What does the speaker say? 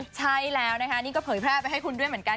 เหมือนคุณเลยใช่แล้วนะคะนี่ก็เผยแพร่ไปให้คุณด้วยเหมือนกัน